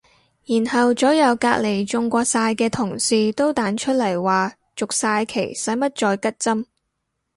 然後左右隔離中過晒嘅同事都彈出嚟話續晒期使乜再拮針